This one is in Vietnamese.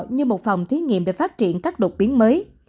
như một phòng thí nghiệm về phát triển các đột biến mới